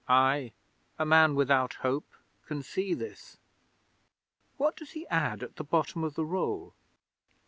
I, a man without hope, can see this. What does he add at the bottom of the roll?